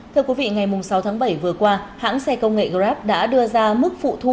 thưa quý vị ngày sáu tháng bảy vừa qua hãng xe công nghệ grab đã đưa ra mức phụ thu